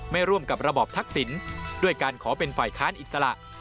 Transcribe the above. ร่วมกับระบอบทักษิณด้วยการขอเป็นฝ่ายค้านอิสระ